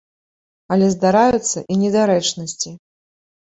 Але здараюцца і недарэчнасці.